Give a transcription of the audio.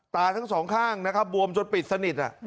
ตาทั้งสองข้างนะครับบวมจนปิดสนิท